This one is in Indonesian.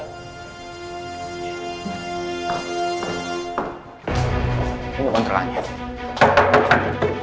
ini bukan telanya